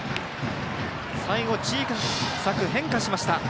最後は小さく変化しました。